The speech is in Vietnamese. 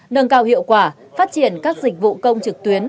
nâng cao hiệu quả phát triển các dịch vụ công trực tuyến